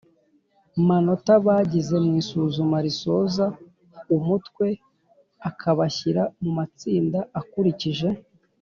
manota bagize mu isuzuma risoza umutwe akabashyira mu matsinda akurikije